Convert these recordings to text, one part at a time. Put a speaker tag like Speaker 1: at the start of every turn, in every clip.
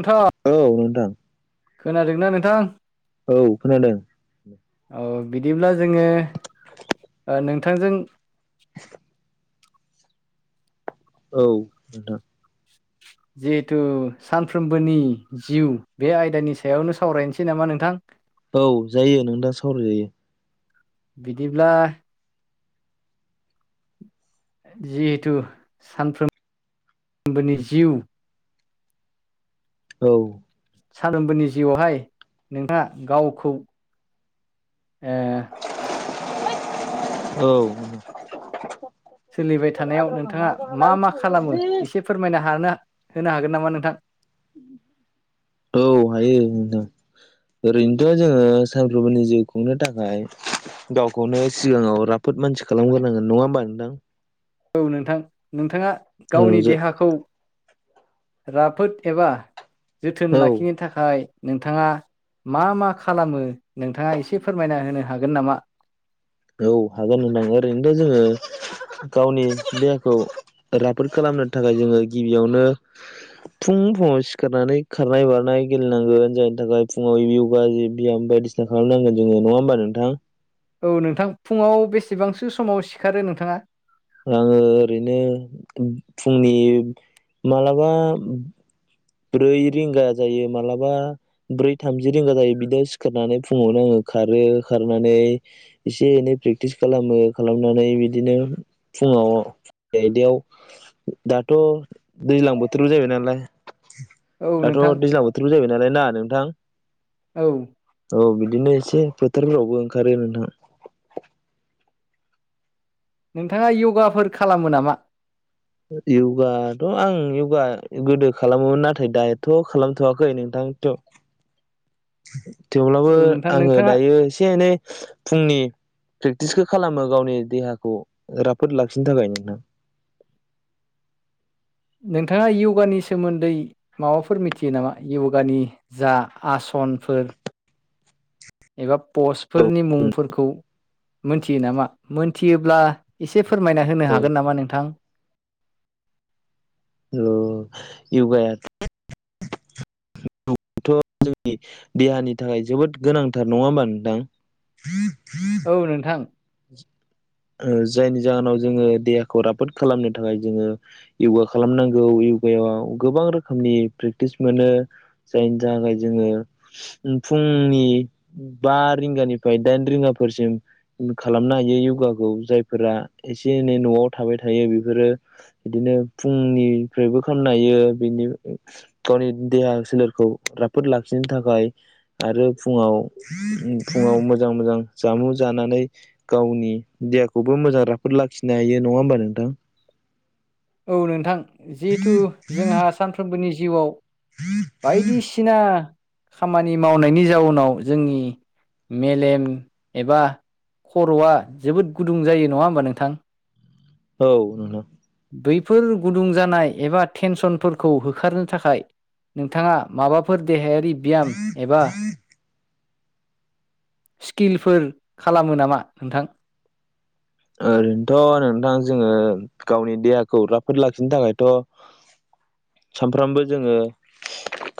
Speaker 1: आथा [unintelligible]
Speaker 2: औ नोंथां
Speaker 1: खोनादोंना नोंथां
Speaker 2: औ खोनादों
Speaker 1: औ बिदिब्ला जोङो नोंथांजों
Speaker 2: [inaudible] औ नोंथां
Speaker 1: जिहेथु सानफ्रोमबोनि जिउ बे आयदानि सायावनो सावरायनोसै नामा नोंथां
Speaker 2: औ जायो नोंथां सावराय जायो
Speaker 1: बिदिब्ला जिहेथु सानफ्रोम सानफ्रोमबोनि जिउ
Speaker 2: औ
Speaker 1: सानफ्रोमबोनि जिउआवहाय नोंहा गावखौ ए
Speaker 2: औ
Speaker 1: सोलिबाय थानायाव नोंथाङा मा मा खालामो एसे फोरमायनो हानो होनो हागोन नामा नोंथां
Speaker 2: औ हायो ओरैनोथ' जोङो सानफ्रोमबोनि जिउ खुंनो थाखाय गावखौनो सिगाङाव राफोद मानसि खालामग्रोनांगोन नङा होमबा नोंथां
Speaker 1: औ नोंथां नोंथाङा गावनि
Speaker 2: औ जे
Speaker 1: देहाखौ राफोद एबा जोथोन लाखिनो
Speaker 2: औ
Speaker 1: थाखाय नोंथाङा मा मा खालामो नोंथाङा एसे फोरमायना होनो हागोन नामा
Speaker 2: औ हागोन नोंथां ओरैनो दा जोङो गावनि देहाखौ राफोद खालामनो थाखाय जोङो गिबियावनो फुं फुङाव सिखारनानै खारनाय बारनाय गेलेनांगोन जायनि थाखाय फुङाव य'गा जि बि्याम बायदि सिस्था खालामनांगोन जोङो नङा होमबा नोंथां
Speaker 1: औ नोंथां फुङाव बेसेबांसो समाव सिखारो नोंथाङा
Speaker 2: आङो ओरैनो फुंनि मालाबा ब्रै रिंगा जायो मालाबा ब्रै थामजि रिंगा जायो बिदियाव सिखारनानै फुङावनो आङो खारो खारनानै एसे एनै प्रेक्टिस खालामो खालामनानै बिदिनो फुङाव आयदयाव दाथ' दैज्लां बोथोराव जाहैबाय नालाय
Speaker 1: औ
Speaker 2: दाथ'
Speaker 1: नोंथां
Speaker 2: दैज्लां बोथोरबो जाहैबाय नालाय ना नोंथां
Speaker 1: औ
Speaker 2: औ बिदिनो एसे फोथारफोरावबो ओंखारो नोंथां
Speaker 1: नोंथाङा यगाफोर खालामो नामा
Speaker 2: यगाथ' आं य'गा गोदो खालामोमोन नाथाय दायथ' खालामथ'वाखै नोंथां थ'
Speaker 1: [inaudible]
Speaker 2: थेवब्लाबो
Speaker 1: औ नोंथां
Speaker 2: आङो
Speaker 1: नोंथाङा
Speaker 2: दायो एसे एनै फुंनि प्रेक्टिसखौ खालामो गावनि देहाखौ राफोद लाखिनो थाखाय नोंथां
Speaker 1: [inaudible] नोंथाङा यगानि सोमोन्दै माबाफोर मिथियो नामा यगानि जा आसन फनफोर एबा पस्टफोरनि मुंफोरखौ मोनथियो नामा मोनथियोब्ला एसे फोरमायना होनो
Speaker 2: औ
Speaker 1: हागोन नामा नोंथां
Speaker 2: औ यगाया थ' जोंनि देहानि थाखाय जोबोद गोनांथार नङा होमबा नोंथां
Speaker 1: औ नोंथां
Speaker 2: ओ जायनि जाहोनाव जोङो देहाखौ राफोद खालामनो थाखाय जोङो य'गा खालामनांगौ यगायाव गोबां रोखोमनि प्रेक्टिस मोनो जायनि थाखाय जोङो फुंनि बा रिंगानिफ्राय दाइन रिंगाफोरसिम खालामनो हायो य'गाखौ जायफोरा एसे एनै न'आव थाबाय थायो बेफोरो बिदिनो फुंनिफ्रायबो खालामनो हायो बिनि गावनि देहा सोलेरखौ राफोद लाखिनो थाखाय आरो फुङाव फुङाव मोजां मोजां जामु जानानै गावनि देहाखौबो मोजां राफोद लाखिनो हायो नङा होमबा नोंथां
Speaker 1: औ नोंथां जिहेथु जोंहा सानफ्रोमबोनि जिउआव बायदिसिना खामानि मावनायनि जाउनाव जोंनि मेलेम एबा खर'आ जोबोद गुदुं जायो नङा होमबा नोंथां
Speaker 2: औ नोंथां
Speaker 1: बैफोर गुदुं जानाय एबा टेनसनफोरखौ होखारनो थाखाय नोंथाङा माबाफोर देहायारि ब्याम एबा स्किलफोर खालामो नामा नोंथां
Speaker 2: ओरैनोथ' नोंथां जोङो गावनि देहाखौ राफोद लाखिनो थाखायथ' सानफ्रामबो जोङो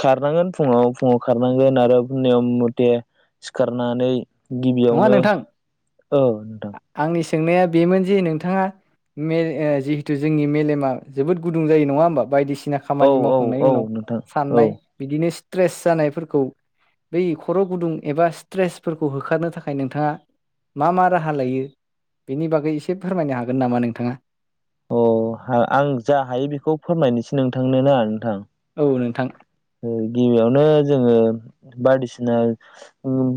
Speaker 2: खारनांगोन फुङाव फुङाव खारनांगोन आरो नियम मथे सिखारनानै
Speaker 1: नङा
Speaker 2: गिबियावनो
Speaker 1: नोंथां
Speaker 2: औ नोंथां
Speaker 1: आंनि सोंनाया बेमोन जे नोंथाङा जिहेथु जोंनि मेलेमा जोबोद गुदुं जायो नङा होमबा बायदिसि ना
Speaker 2: औ
Speaker 1: खामानि
Speaker 2: औ
Speaker 1: मावखांनायनि
Speaker 2: औ
Speaker 1: उनाव
Speaker 2: नोंथां औ
Speaker 1: साननाय बिदिनो सि स्ट्रेस जानायफोरखौ बै खर' गुदुं एबा स्ट्रेसफोरखौ होखारनो था थाखाय नोंथाङा मा मा राहा लायो बेनि बागै एसे फोरमायनो हागोन नामा नोंथाङा?
Speaker 2: अ आं जा हायो बेखौ फोरमायनोसै नोंथांनो ना नोंथां
Speaker 1: औ नोंथां
Speaker 2: ओ गिबियावनो जोङो बायदिसिना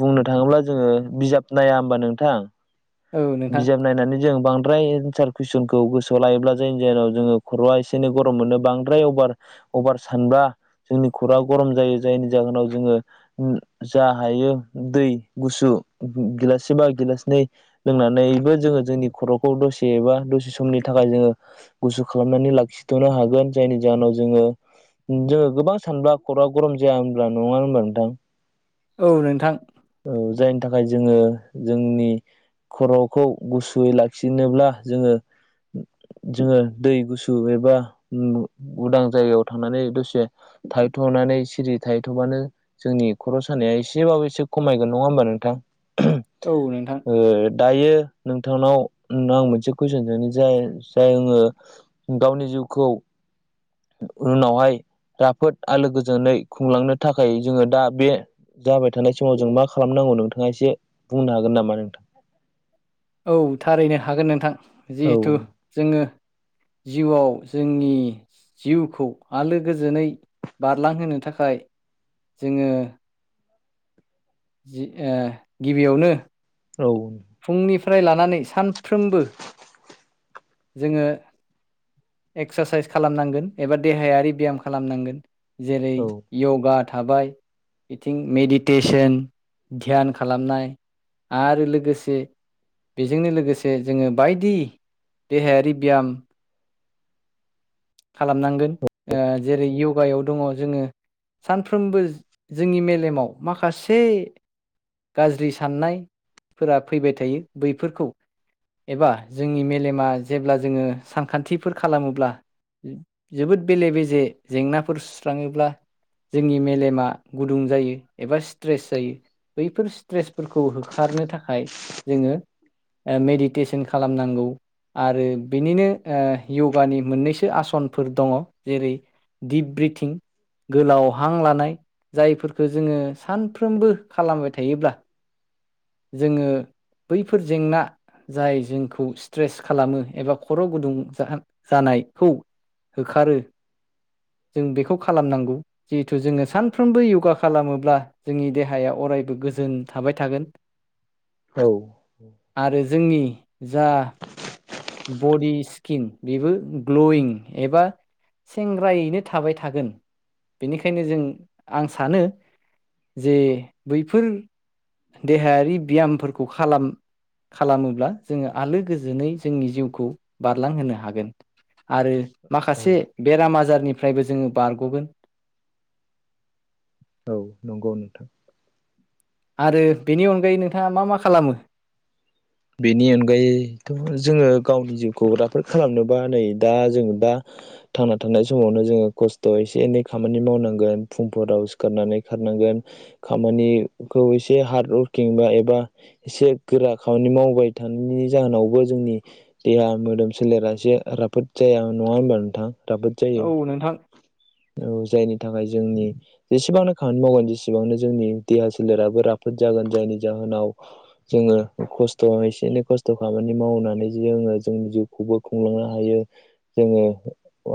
Speaker 2: बुंनो थाङोब्ला जोङो बिजाब नाया ओमबा नोंथां
Speaker 1: औ नोंथां
Speaker 2: बिजाब नायनानै जों बां बांद्राय एन्सार कुइसनखौ गोसोआव लायोब्ला जायनि जाहोनाव जोङो खर'आ एसे एनै गरम मोनो बांद्राय अभार अभार सानबा जोंनि खर'आ गरम जायो जायनि जाहोनाव जोङो जा हायो दै गुसु गिलाससे बा गिलासनै लोंनानैबो जोङो जोंनि खर'खौ दसे एबा दसे समनि थाखाय जोङो गुसु खालामनानै लाखि थ'नो हागोन जायनि जाहोनाव जोङो जोङो गोबां सानब्ला खर'आ गरम जाया होनब्ला नङा होनबा नोंथां
Speaker 1: औ नोंथां
Speaker 2: औ जायनि थाखाय जोङो जोंनि खर'खौ गुसुयै लाखिनोब्ला जोङो
Speaker 1: [inaudible]
Speaker 2: जोङो दै गुसु एबा उदां जायगायाव थांनानै दसे थाहैथ' नानै सिरि थाहैथ'बानो जोंनि खर' सानाया एसेबाबो एसे खमायगोन नङा होमबा नोंथां
Speaker 1: औ नोंथां
Speaker 2: ओ दायो नोंथांनाव आं मोनसे कुइसन सोंनि जाय जाय आङो गावनि जिउ [unintelligible] उनावहाय राफोद आलो गोजोनै खुंलांनो थाखाय जोङो दा बे जाबाय थानाय समाव जों मा खालामनांगौ नोंथाङा एसे बुंनो हागोन नामा नोंथां?
Speaker 1: औ थारैनो हागोन नोंथां
Speaker 2: औ
Speaker 1: जिहेथु जोङो जिउआव जोंनि जिउखौ आलो गोजोनै बारलांहोनो थाखाय जोङो जि गिबियावनो
Speaker 2: औ
Speaker 1: नि लानानै सानफ्रोमबो जोङो एक्सारसाइस खालामनांगोन एबा देहायारि ब्याम खालामनांगोन जेरै यगा थाबाय बिथिं मेडिटेसन ध्यान खालामनाय आरो लोगोसे बेजोंनो लोगोसे जोङो बायदि देहायारि ब्याम खालामनांगोन ओ जेरै यग गायाव दङ' जोङो सानफ्रोमबो जोंनि मेलेमाव माखासे गाज्रि साननायफोरा फैबाय थायो बैफोरखौ एबा जोंनि मेलेमा जेब्ला जोङो सानखान्थिफोर खालामोब्ला जोबोद बेले बेजे जेंनाफोर सुस्राङोब्ला जोंनि मेलेमा गुदुं जायो एबा स्ट्रेस जायो बैफोर स्ट्रेसफोरखौ होखारनो थाखाय जोङो मेडिटेसन खालामनांगौ आरो बिनिनो य'गानि मोननैसो आसनफोर दङ' जेरै दिप ब्रिथिं गोलाव हां लानाय जायफोरखो जोङो सानफ्रोमबो खालामबाय थायोब्ला जोङो बैफोर जेंना जाय जोंखौ स्ट्रेस खालामो एबा खर' गुदुं जा-जानायखौ होखारो जों बेखौ खालामनांगौ जिहेथु जोङो सानफ्रोमबो योगा खालामोब्ला जोंनि देहाया अ रायबो गोजोन थाबाय थागोन
Speaker 2: औ
Speaker 1: आरो जोंनि जा बडि स्किन बेबो ग्ल'यिं एबा सेंग्रायैनो थाबाय थागोन बेनिखायनो जों आं सानो जे बैफोर देहायारि ब्यामफोरखौ खालाम खालामोब्ला जोङो आलो गोजोनै ज जोंनि जिउखौ बारलां होनो हागोन आरो माखासे बेराम आजार निफ्रायबो जोङो बारग'गोन
Speaker 2: औ नंगौ नोंथां
Speaker 1: आरो बेनि अनगायै नोंथाङा मा मा खालामो?
Speaker 2: बेनि अनगायैथ' जोङो गावनि जिउखौ राफोद खालामनोबा नै दा जोङो दा थांना थानाय समावनो जोङो खस्थ' एसे एनै खामानि मावनांगोन फुंफोराव सिखारनानै खारनांग गोन खामानिखौ ए हार्ड वर्किं बा एबा एसे गोरा खामानि मावबाय थानायनि जाहोनावबो जोंनि देहा मोदोम सोलेरा एसे राफोद जाया न ङा होनबा नोंथां राबोद जायो।
Speaker 1: औ नोंथां
Speaker 2: औ जायनि थाखाय जोंनि जेसेबांनो खामानि मावगोन जेसेबांनो जोंनि देहा सोलेराबो राफोद जागोन ान जायनि जाहोनाव जोङो खस्थ' एसे एनै खस्थ' खामानि मावनानै जेनबा जोङो जोंनि जिउखौबो खुंलांनो हायो जोङो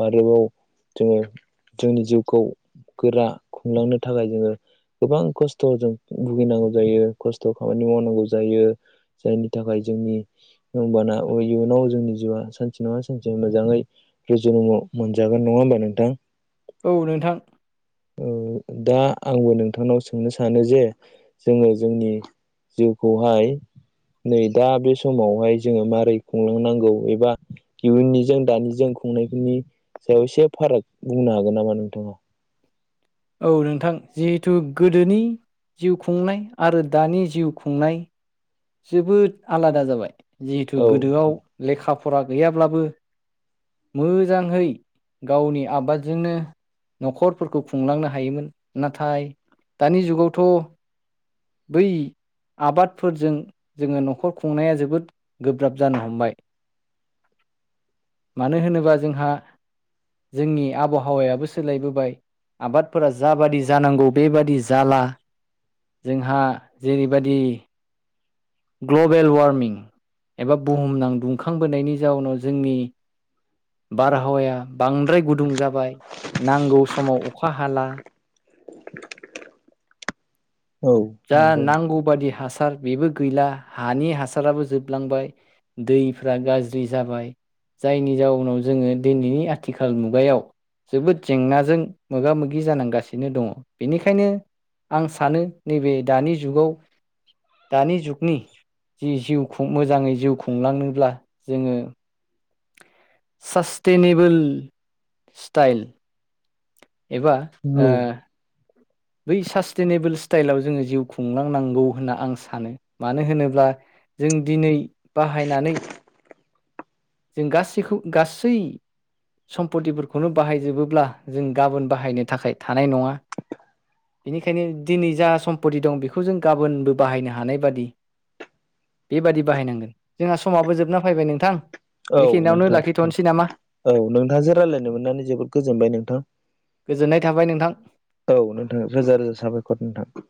Speaker 2: आरोबाव जोङो जोंनि जिउखौ गोरा खुंलांनो थाखाय जोङो गोबां खस्थ'जों भुगिनांगौ जायो खस्थ' खामानि मावनांगौ जायो। जायनि थाखाय जोंनि होमबाना अ- इयुनाव जोंनि जिउआ सानसे नङा सानसे मोजाङै रुजु रूमु मोनजागोन नङा होमबा नोंथां
Speaker 1: औ नोंथां
Speaker 2: ओ दा आंबो नोंथांनाव सोंनो सानो जे जोङो जोंनि जिउखौहाय नै दा बे समावहाय जोङो मारै खुंलांनांगौ एबा इयुननिजों दानिजों खुंनायफोरनि सायाव एसे फाराग बुंनो हागोन नामा नोंथाङा
Speaker 1: औ नोंथां जिहेथु गोदोनि जिउ खुंनाय आरो दानि जिउ खुंनाय जोबोद आलादा जाबाय जिहेथु
Speaker 2: औ
Speaker 1: गोदोआव लेखा फरा गैयाब्लाबो मोजांहै गावनि आबादजोंनो न'खरफोरखौ खुंलांनो हायोमोन नाथाय दानि जुगावथ' बै आबादफोरजों जोङो न'खर खुंनाया जोबोद गोब्राब जानो हमबाय मानो होनोबा जोंहा जोंनि आबहावायाबो सोलायबोबाय आबादफोरा जाबादि जानांगौ बेबादि जाला जोंहा जेरैबायदि ग्लबेल वार्मिं एबा बुहुमनां दुंखांबोनायनि जाउनाव जोंनि बारहावाया बांद्राय गुदुं जाबाय नांगौ समाव अखा हाला
Speaker 2: [inaudible] औ
Speaker 1: जा
Speaker 2: नंगौ
Speaker 1: नांगौ बादि हासार बेबो गैला हानि हासाराबो जोबलांबाय दैफ्रा गाज्रि जाबाय जायनि जाउनाव जोङो दिनैनि आथिखाल मुगायाव जोबोद जेंनाजों मोगा मोगि जानांगासिनो दङ बेनिखायनो आं सानो नैबे दानि जुगाव दानि जुगनि जि जिउ खु मोजाङै जिउ खुंलाङोब्ला जोङो सास्टेनेबोेल स्टाइल एबा ओ बै सास्टेनेबोल स्टाइलाव जोङो जिउ खुंलांनांगौ होनना आं सानो मानो होनोब्ला जों दिनै बाहायनानै जों गासैखौ गासै सम्पतिफोरखौनो बाहायजोबोब्ला जों गाबोन बाहायनो थाखाय थानाय नङा बेनिखायनो दिनै जा समपति दं बेखौ जों गाबोनबो बाहायनो हानाय बादि बेबादि बाहायनांगोन जोंहा समाबो जोबना फैबाय नोंथां
Speaker 2: औ
Speaker 1: बेखिनियावनो
Speaker 2: नोंथां
Speaker 1: लाखिथ'नोसै नामा
Speaker 2: औ नोंथांजों रायलायनो मोननानै जोबोद गोजोनबाय नोंथां
Speaker 1: गोजोननाय था
Speaker 2: औ नोंथां रोजा रोजा साबायखर नोंथां